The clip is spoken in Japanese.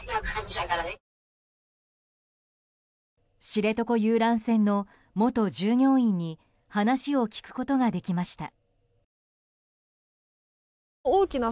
知床遊覧船の元従業員に話を聞くことができました。